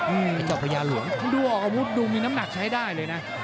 อืมเป็นเจ้าพระยาหลวงดูออกดูมีน้ำหนักใช้ได้เลยน่ะ